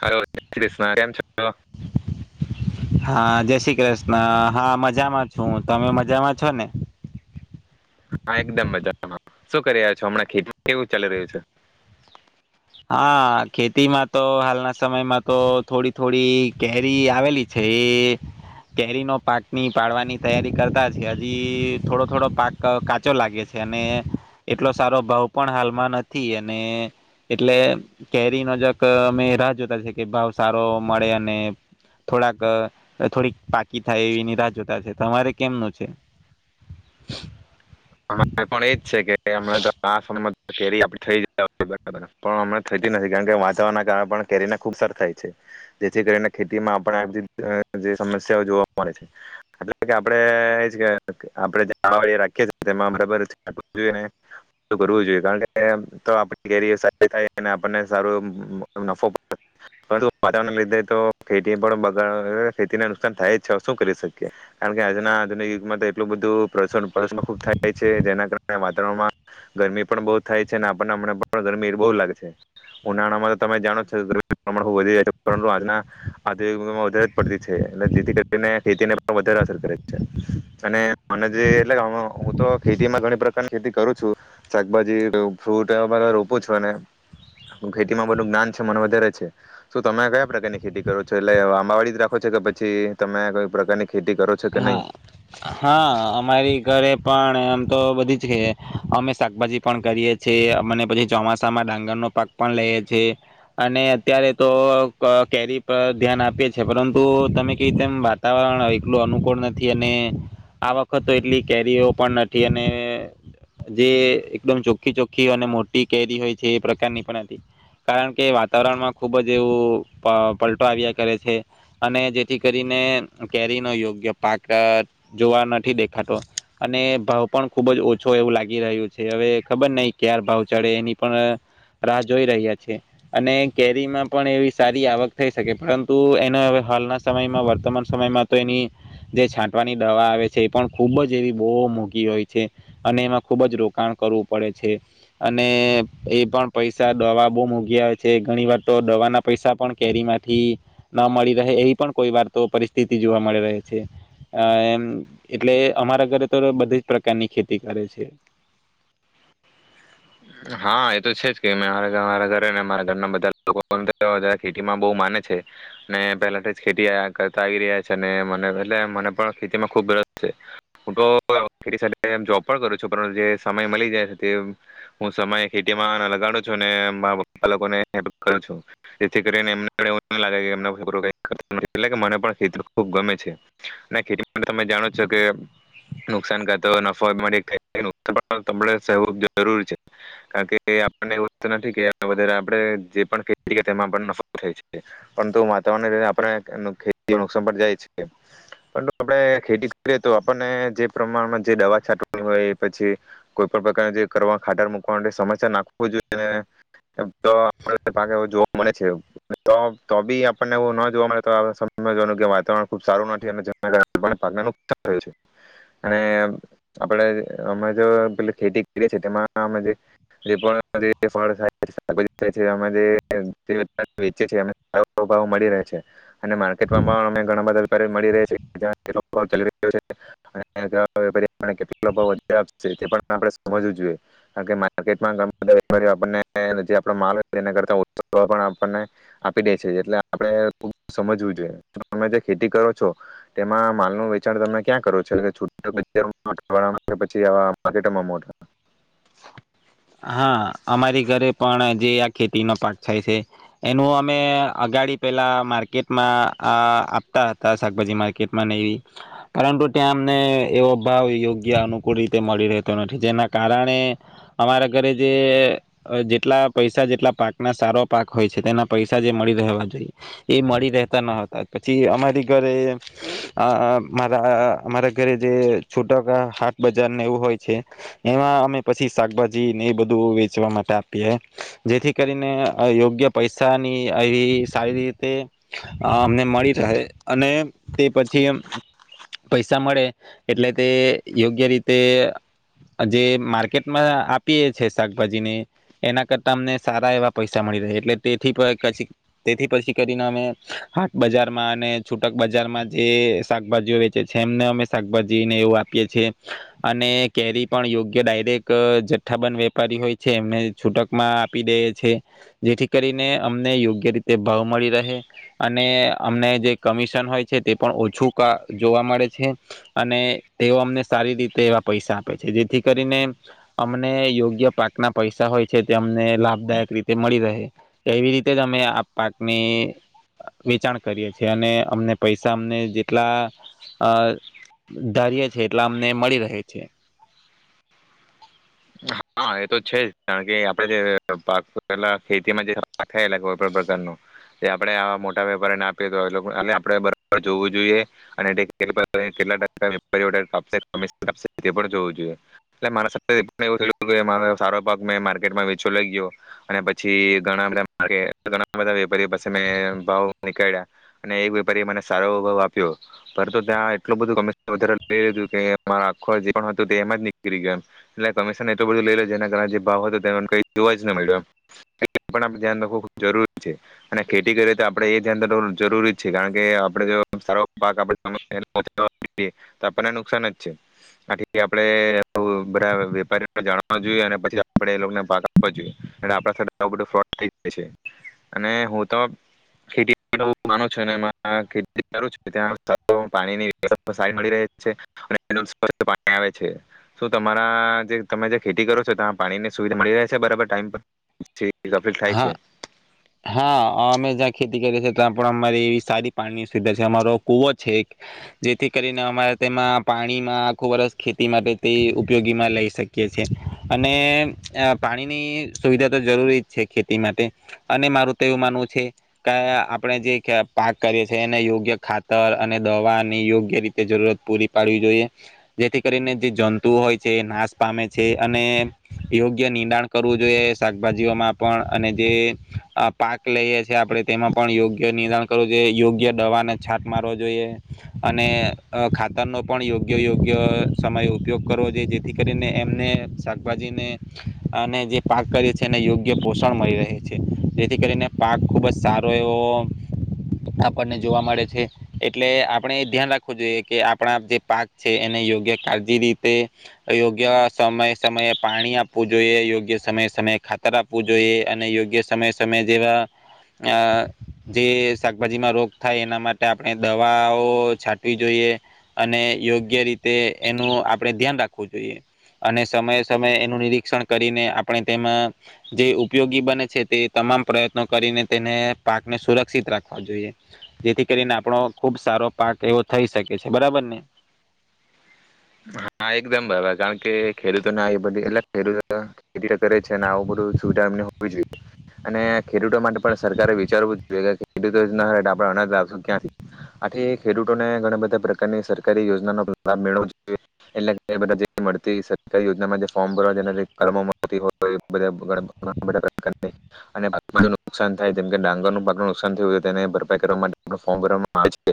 Hello જય શ્રી ક્રિષ્ના. કેમ છો? હા જય શ્રી કૃષ્ણ હા મજામાં છું તમે મજામાં છો ને? હા એકદમ મજામાં. શું કરી રહ્યા છો હમણાં ખેતી કેવું ચાલી રહ્યું છે. હા ખેતીમાં તો હાલના સમયમાં તો થોડી-થોડી કેરી આવેલી છે. એ કેરીનો પાકની પાડવાની તૈયારી કરતા છે. હજી થોડો-થોડો પાક કાચો લાગે છે અને એટલો સારો ભાવ પણ હાલમાં નથી અને એટલે કેરીનો જરાક અમે રાહ જોતા છે કે ભાવ સારો મળે અને થોડાક થોડીક પાકી થાય એવીની રાહ જોતા છે તમારે કેમનું છે? અમારે પણ એજ છે કે હમણાં તો આ કેરી આપે થઈ જ બરાબર પણ હમણા થતી નથી કારણ કે વાતાવરણના કારણે પણ કેરીને ખુબ સાર થાય છે. જેથી કરીને ખેતીમાં આપને આ બધી જે સમસ્યાઓ જોવા મળે છે. એટલે કે આપડણે એ કે આપણેે રાખી તેમાં બરાબર [unintelligible] જોઈએ કરવું જોઈએ કારણ કે તો આપ કેરી સારી થાય આપણને સારો નફો વાતાવરણ લીધે તો ખેતી પણ બગાડ ખેતીને નુકસાન થાય જ શું કરી શકીએ કારણ કે આજના આધુનિક યુગમાં તો એટલું બધું થાય છે જેના કારણે વાતાવરણમાં ગરમી પણ બહુ થાય છે અને આપણને મને પણ ગરમી એ બહુ લાગે છે. ઉનાળામાં તો તમે જાણો છો ગરમીનો પ્રમાણ બ વધી જાય છે પરંતુ આજના આધુનિક યુગમા વધારે પડતી છે એ જેથી કરીને ખેતીને પણ વધારે અસર કરે છે અને મને જે એટ તો ખેતીમાં ઘણી પ્રકારની ખેતી કરું છું. શાકભાજી, ફ્રૂટ એવા બધા રોપું છું અને ખેતીમાં બધું જ્ઞાન છે મને વધારે છે. શું તમે કયા પ્રકારની ખેતી કરો છો એટલે આંબાવાડી જ રાખો છો કે પછી તમે કઈ પ્રકારની ખેતી કરો છો કે નહીં હા હા અમારી ઘરે પણ એમ તો બધી જ અમે શાકભાજી પણ કરીએ છીએ અમને પછી ચોમાસામાં ડાંગરનો પાક પણ લઈએ છે અને અત્યારે તો કેરી પર ધ્યાન આપીએ છે એ પરંતુ તમે કેવી રીતે વાતાવરણ એટલુ અનુકૂળ નથી અને આ વખતે તો એટલી કેરીઓ પણ નથી અને જે એકદમ ચોખ્ખી-ચોખ્ખી અને મોટી કેરી હોય છે એ પ્રકારની પણ નથી કારણ કે વાતાવરણમાં ખુબ જ એવું પલટો આવ્યા કરે છે અને જેથી કરીને કેરી નો યોગ્ય પાક જોવા નથી દેખાતો અને ભાવ પણ ખુબ જ ઓછો એવું લાગી રહ્યું છે હવે ખબર નહી કયારે ભાવ ચડે એની પણ રાહ જોઈ રહ્યા છે અને કેરીમાં પણ એવી સારી આવક થઈ શકે પરંતુ એને હવે હાલના સમયમાં વર્તમાન સમયમાં તો એની જે છાંટવાની દવા આવે છે એ પણ ખૂબ જ એવી બહુ મોઘી હોય છે. અને એમાં ખુબ જ રોકાણ કરવું પડે છે. અને એ પણ પૈસા દવા બહુ મોઘી આવે છે. ઘણી વાર તો દવાના પૈસા પણ કેરી માંથી ન મળી રહે એવી પણ કોઈ વાર તો પરિસ્થિતિ બધી જોવા મળે રહે છે. અ એટલે અમારા ઘરે તો બધી જ પ્રકારની ખેતી કરે છે. હા એતો છે જ કે, મારા ઘરે મારા ઘરના બધા લોકો ખેતીમાં બહુ માને છે અને પહેલા તો જ ખેતી કરતા આવી રહ્યા છે અને મને એટલે મને પણ ખેતીમાં ખુબ રસ છે. હું તો ખેતી સિવાય જોબ પણ કરું છું જે સમય મળી જાય છે તે હું સમયે ખેતીમાં લગાડું છું ને મારા પપ્પા લોકોને હેલ્પ કરું છું જેથી કરીને એમે એટલે મને પણ ખેત ખૂબ ગમે છે અને ખેતી માટે તમે જાણો છો કે નુકસાન કરાતો નફોવું જરૂરી છે. કારણ કે તે આપને એવુ નથી કે વધારે આપણે જે પણ ખેતી તેમાં પણ નફો મળી થાય છે પરંતુ વાતાવરણ રીતે આપણે ખેતીમાં નુકસાન પણ જાય છે. પરંતુ આપણે ખેતી કરીએ તો આપને જે પ્રમાણમાં જે દવા છાંટવાની હોય પછી કોઈ પણ પ્રકાર જે કરવા ખાતર મુકવા વાળી સમસ્યા નાખ જોઈએ તો પાક જોવા મળે છે. તો બી આપણને એવુ ન જોવા મળે તો સમજવાનું કે વાતાવરણ ખૂબ સારુ નથી અને આપણે અમે જો પ ખેતી કરીએ છીએ તેમાં [unintelligible] વેચે છે. ભાવ મળી રહે છે. અને માર્કેટમાં પણ અમે ઘણા બધા વેપારીઓ મળી છે. કેટલો ભાવ ચાલી રહ્યો છે તે આપણે સમજવું જોઈએ. કારણ કે માર્કેટમાં ઘણા બધા વેપારીઓ આપને જે આપણો માલ હોય તેના કરતા ઓછા ભાવ પણ આપણને આપી દે છે. એટલે આપણે સમજવું જોઈએ. તમે જે ખેતી કરો છો તેમાં માલનું વેચાણ તમે ક્યાં કરો છો? એટલે છોટો [unintelligible] પછી હા અમારી ઘરે પણ જે આ ખેતીનો પાક થાય છે એનું અમે અગાડી પેલા માર્કેટમાં આ આપતા હતા શાકભાજી માર્કેટમાં નવી પરંતુ ત્યાં અમને એવો ભાવ યોગ્ય અનુકૂળ રીતે મળી રહેતો નથી જેના કારણે. અમારા ઘરે જે જેટલા પૈસા જેટલા પાકના સારો પાક હોય છે તેના પૈસા જે મળી રહેવા જોઈએ એ મળી રહેતા ન હતા પછી અમારી ઘરે મારા અમારા ઘરે જે છોટા હાટ બજારને એવું હોય છે એમાં અમે પછી. શાકભાજી ને એ બધું વેચવા માટે આપીએ જેથી કરીને યોગ્ય પૈસાની એ સારી રીતે અમને મળી રહે અને તે પછી પૈસા મળે એટલે તે યોગ્ય રીતે જે માર્કેટ. આપીએ છે શાકભાજી ને એના કરતા અમને સારા એવા પૈસા મળી રહે એટલે તેથી પછી તેથી પછી કરીને અમે હાટ બજારમાં અને છૂટક બજારમાં જે શાકભાજીઓ વેચે છે એમને અમે શાકભાજીને એવું આપીએ છેએ અને કેરી પણ યોગ્ય ડાયરેક્ટ. એક જથઠ્ઠાબંધ વેપારી હોય છે એમને છૂટકમાં આપી દે છે જેથી કરીને અમને યોગ્ય રીતે ભાવ મળી રહે અને અમને જે કમિશન હોય છે તે પણ ઓછું ક જોવા મળે છે અને તેઓ અમને સારી રીતે એવા પૈસા આપે છે જેથી કરીને. અમને યોગ્ય પાકના પૈસા હોય છે તે અમને લાભદાયક રીતે મળી રહે એવી રીતે જ અમે આ પાકની વેચાણ કરીએ છીએ અને અમને પૈસા અમને જેટલા અ ધારીએે છ છેએ એટલા અમને મળી રહે છે. હા એ તો છે જ કારણ કે આપે જે પાક પલા ખેતીમાં જે થ કોઈ પણ પ્રકાર ન એ આપડે આવા મોટા વેપારને આપએ તો આપે બબર જોવું જોઈએ અનેલા જોઈએ. સારો ભ મેં માર્કેટમાં વેચવા લઈ ગયો અને પછી ઘણા બધાણા બધા વેપારી પા મેં ભાવ નીકળ્યા અને એક વેપારી મને સારો ભાવ આપ્યો પરંત ત્યાં એટલું બધું કમશન લઈ લીધું કે આખો જે હતું તેમાં જ નીકળી ગું એમ. જેના કારણે જે ભાવ હતો તે કઈ જોવા જ ન મળ્યો એમ એ પણ આપ ધ્યાન રાખવું જરૂરી છે અને ખેતી કરીએ તો આપડે એ ધ્યાન રા જરૂરી જ છે કારણ કે આપ જો સારો પાક તો આપણને નુકસાન જ છે આ આપણે બધા વેપારી. ને જાણવા જોઈએ અને પછી આપડે એ લોગ ને ભાગંબા જોઈએ. અને આપડા સાથે આઉં બધું ફ્રોડ થઈ જશે. અને હું તો ખેતી [inaudible] માનું છું અને એમાં ખેતી કરું છું ત્યાં [inaudible] પાણી આવે છે. શું તમારા જે તમે જ્યાં ખેતી કરો છો, ત્યા પાણી ની સુવિધા મળી રહે છે બરાબર ટાઈમ પર થી? હા હા આમે જા ખે તી કરીએ છે ત્યાં પણ અમારી એવી સારી પાણીની સુવિધા છે. અમારો કુવો છે એક. જેથી કરીને અમારે તેમાં પાણીમાં આખુ વર્ષ ખેતી માટે તે ઉપયોગીમાં લઈ શકીએ છે. અને પાણીની સુવિધા તો જરૂરી છે ખેતી માટે અને મારું તો એવું માનવું છે કયા આપણે જે પાક કરીએ છે એને યોગ્ય ખાતર અને દવાની યોગ્ય રીતે જરૂરત પૂરી પાડવી જોઈએ. જેથી કરીને જે જંતુ હોય છે નાશ પામે છે અને યોગ્ય નિદાણ કરવું જોઈએ શાકભાજીઓમાં પણ અને જે અહ પાક લઈએ છી આપણે તેમાં પણ યોગ્ય નિદાણ કરવું જોઈએ. યોગ્ય દવાને છાત મારવો જોઈએ અને અહ ખાતરનો પણ યોગ્ય યોગ્ય સમય ઉપયોગ કરવો જોઈએ જેથી કરીને એમને શાકભાજીને અને જે પાક કરીએ છે એને યોગ ગ્ય પોષણ મળી રહે છે. જેથી કરીને પાક ખુબજ સારો એવો આપણને જોવા મળે છે એટલે આપણે એ ધ્યાન રાખવું જોઈએ કે આપણા જે પાક છે એને યોગ્ય કાળજી રીતે યોગ્ય સમય સમય પાણી આપવું જોઈએ યોગ્ય સમય સમય ખા તર આપવું જોઈએ અને યોગ્ય સમયે સમયે જેવા અહ જે શાકભાજીમાં રોગ થાય એના માટે આપણે દવાઓ છાંટવી જોઈએ અને યોગ્ય રીતે એનું આપણે ધ્યાન રાખવું જોઈએ. અને સમયે સમયે એનું નિરીક્ષણ કરીને આપણે તેમાં જે ઉપયોગી બને છે, તે તમામ પ્રયત્નો કરીને તેને પાકને સુરક્ષિત રાખવા જોઈએ. જેથી કરીને આપણો ખુબ સારો પાક એવો થઈ શકે છે બરાબર ને? હા, એકદમ બાબ કારણ કે ખેડૂતોને આવી બધી એટલે ખેડૂતો ખે કરે છે આવું બધું સુવિધા એમને હોવી જોઈએ અને ખેડૂતો માટે પણ સરકારે વિચારવું જોયા કે ખેડૂતો ના ડાબા અનાજ લાવશું ક્યાંથી આથી ખેડૂતોને ઘણા બધા પ્રકારની સરકારી યોજના નો લાભ મેળવો જોઈએ. એટલે કે બધાં જે મળતી સરકારી યોજનામાં જે ફોર્મ ભરવામોતી હોય બધા [inaudible] છે અને પાક નો નુકાશાન થાય જેમ કે ડાંગર ન પાક નુકસાન થયુંય તો તેને ભરપાઈ કરવા માટે ફોભ ભરવા માં આવે છે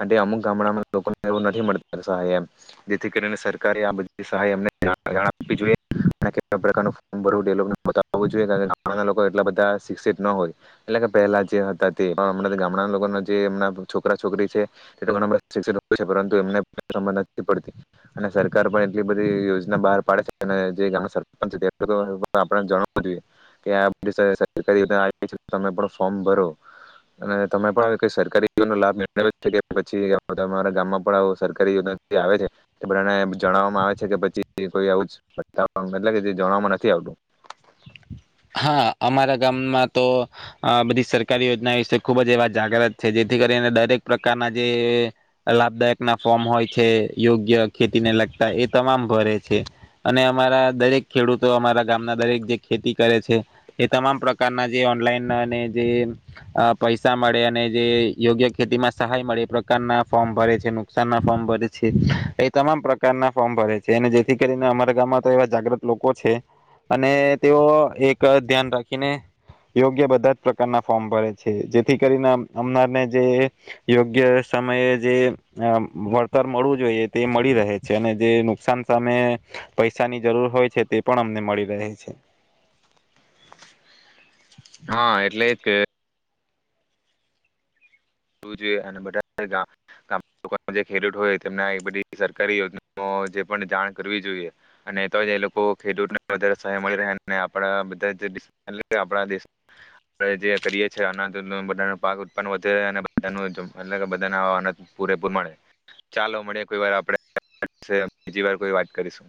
આટે અમુક ગામડામાં લોકોને એવું નથી મળતું શાય એમ જેથી કરીને સરકારે આ બધી સહાય એમને જાણ જણાવી જોઈએ અને કેટલા પ્રકારનું ફોમ ભરવું એ લોકો ને બતાવું જોઈએ કારણ કે ગામડાં ના લોકો એટલા બધા શિક્ષિત ના હોય. એટલે કે પહેલા જે હતા તે પણ હમણાં તો ગામડાં ના લોકો ને જે એમના છોકરા છોકરી છે તે ઘણા શિક્ષિત હોએ છે પણ એમને સમજ નથી પડતી. અને સરકાર પણ એટલી બધી યોજના બહાર પાડે છે અને જે ગાને સરપંચ છે તે આપડે જાણવું જોઈએ કે આ બધી સરકારી યોજના છે તમે પણ ફોર્મ ભરો અને તમે પણ સરકારી લાભ કે પછી તમારા ગામમાં પણ સરકારી યોજના આવે છે. તે બધાને એ જણાવવામાં આવે છે કે પછી કોઈ આવું એ કે જે જણવામાં નથી આવતું. હા, અમારા ગામમાં તો અહ બધી સરકારી યોજના વિશે ખુબ જ એવા જાગ્રત છે જેથી કરીને દરેક પ્રકારના જે લાભદાયક ના ફોર્મ હોય છે યોગ્ય ખેતીને લગતા એ તમામ ભરે છે. અને અમારા દરેક ખેડૂતો અમારા ગામના દરેક જે ખેતી કરે છે એ તમામ પ્રકારના જે ઓનલાઈન અને જે અહ પૈસા મળે અને જે યોગ્ય ખેતીમાં સહાય મળે એ પ્રકારના ફોર્મ ભરે છે, નુકસાન ના ફોર્મ ભરે છે. એ તમામ પ્રકારના ફોર્મ ભરે છે. અને જેથી કરીને અમારા ગામમાં તો એવા જાગ્રત લોકો છે. અને તેઓ એક ધ્યાન રાખીને યોગ્ય બધા જ પ્રકારના ફોર્મ ભરે છે. જેથી કરીને આમ-અમનાને જે યોગ્ય સમયે જે અમ્મ વળતર મળવું જોઈએ તે મળી રહે છે અને જે નુકસાન સામે પૈસાની જરૂર હોય છે તે પણ અમને મળી રહે છે. હા, એટલેજ કે જોઈ બધા જે ખેડૂત હોય તેમને બધી સરકારી યોજના જે જાણ કરવી જોઈએ અને તો એ લોકો ખેડૂતને વધારે સહાય મળી રહે આપ બધા આપ દ જે કરીએ છધા પાક ઉત્પન વધ અને. [unintelligible] બધાત બધાન પૂરેપૂર મળે, ચાલો મળી કોઈ વાર આપણે બીજી વાર કોઈ વાત કરીશું.